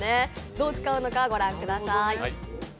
どう使うのか、御覧ください。